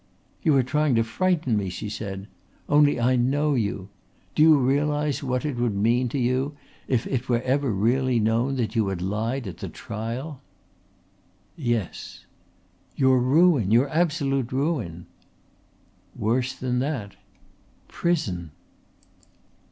"You are trying to frighten me," she said. "Only I know you. Do you realise what it would mean to you if it were ever really known that you had lied at the trial?" "Yes." "Your ruin. Your absolute ruin." "Worse than that." "Prison!"